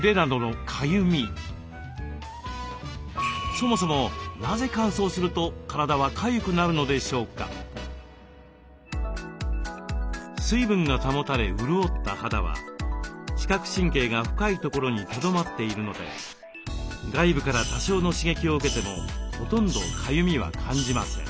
そもそも水分が保たれ潤った肌は知覚神経が深いところにとどまっているので外部から多少の刺激を受けてもほとんどかゆみは感じません。